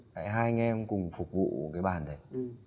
hai anh em cùng phục vụ cái bàn đấy